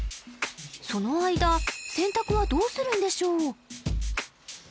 その間洗濯はどうするんでしょう？